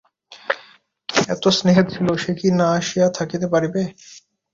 এত স্নেহের ছিল, সে কি না আসিয়া থাকিতে পারিবে।